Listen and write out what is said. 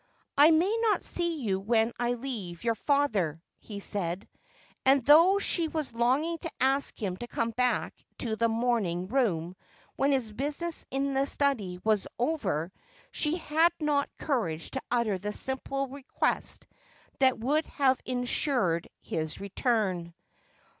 ' I may not see you when I leave your father,' he said ; and though she was longing to ask him to come back to the morning room when his business in the study was over, she had not courage to utter the simple request that would have ensured his return.